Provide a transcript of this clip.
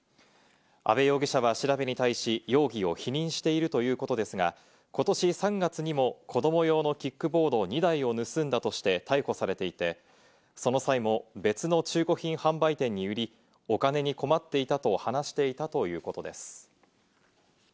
安倍容疑者は調べに対し、容疑を否認しているということですが、ことし３月にも子ども用のキックボード２台を盗んだとして逮捕されていて、その際も別の中古品販売店に売り、お金に困っていたと話していたということです。